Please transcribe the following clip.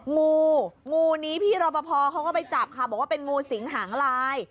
งูงูนี้พี่รอปภเขาก็ไปจับค่ะบอกว่าเป็นงูสิงหางลาย